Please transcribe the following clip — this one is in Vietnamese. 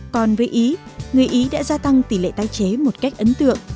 còn với ý người ý đã gia tăng tỷ lệ tái chế một cách ấn tượng